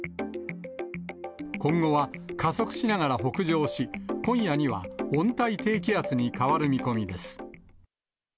今後は加速しながら北上し、今夜には温帯低気圧に変わる見込みです。